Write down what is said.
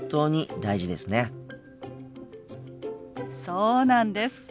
そうなんです。